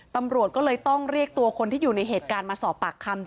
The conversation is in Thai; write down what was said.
ตำรวจก็เลยต้องเรียกตัวคนที่อยู่ในเหตุการณ์มาสอบปากคำ